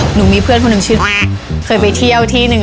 หนูมีเพื่อนคนหนึ่งชื่อแม่เคยไปเที่ยวที่หนึ่ง